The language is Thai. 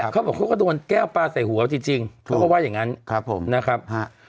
เขาบอกเขาก็โดนแก้วปลาใส่หัวจริงเขาก็ว่าอย่างนั้นนะครับ